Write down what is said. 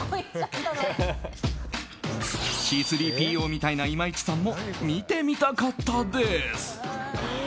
Ｃ‐３ＰＯみたいな今市さんも見てみたかったです。